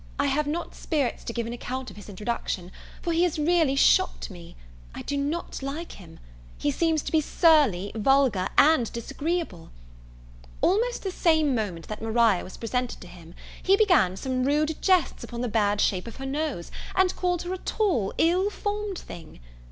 I have not spirits to give an account of his introduction, for he has really shocked me. I do not like him. He seems to be surly, vulgar, and disagreeable. Almost the same moment that Maria was presented to him, he began some rude jests upon the bad shape of her nose, and called her a tall ill formed thing.